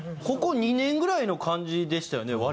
ここ２年ぐらいの感じでしたよね